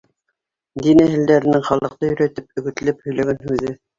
Дин әһелдәренең халыҡты өйрәтеп, өгөтләп һөйләгән һүҙе.